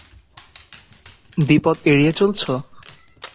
বিপদ এড়িয়ে চলছো?